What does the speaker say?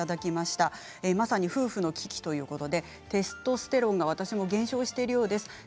まさに夫婦の危機ということでテストステロンが私も減少しているようです。